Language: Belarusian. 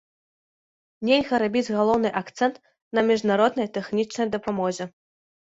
Нельга рабіць галоўны акцэнт на міжнароднай тэхнічнай дапамозе.